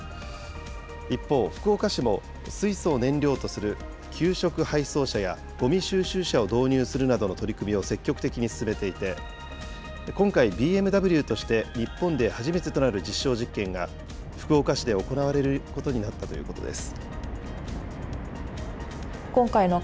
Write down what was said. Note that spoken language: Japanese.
一方、福岡市も、水素を燃料とする給食配送車や、ごみ収集車を導入するなどの取り組みを積極的に進めていて、今回、ＢＭＷとして日本で初めてとなる実証実験が、福岡市で行われることになったということです。